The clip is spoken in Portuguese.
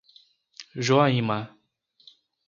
Joaíma